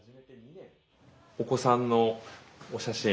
お子さんのお写真？